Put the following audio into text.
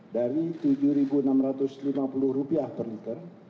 dari rp tujuh enam ratus lima puluh per liter